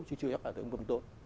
chứ chưa chắc là tướng phương tốt